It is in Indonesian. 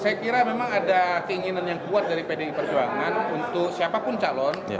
saya kira memang ada keinginan yang kuat dari pdi perjuangan untuk siapapun calon